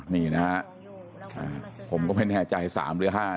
นี่นะฮะผมก็ไม่แน่ใจ๓หรือ๕